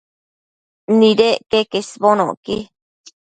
Nidec queque isbonocqui